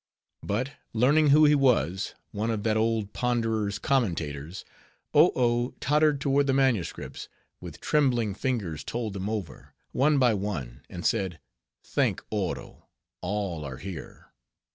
But learning who he was, one of that old Ponderer's commentators, Oh Oh tottered toward the manuscripts; with trembling fingers told them over, one by one, and said—"Thank Oro! all are here.